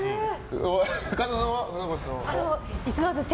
神田さんは船越さんとは？